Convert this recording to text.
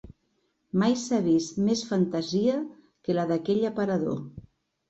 Mai s'ha vist més fantasia que la d'aquell aparador.